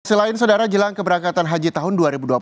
selain saudara jelang keberangkatan haji tahun dua ribu dua puluh satu